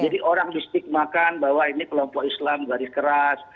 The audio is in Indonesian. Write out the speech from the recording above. jadi orang distigmakan bahwa ini kelompok islam garis keras